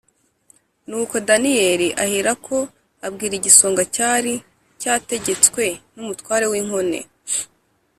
Nuko Daniyeli aherako abwira igisonga cyari cyategetswe n’umutware w’inkone